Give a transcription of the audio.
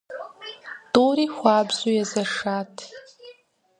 ТӀури хуабжьу езэшат.